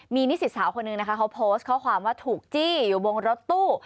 มีนิสิตสาวคนหนึ่งนะคะเขาโพสต์ข้อความว่าถูกจี้อยู่บนรถตู้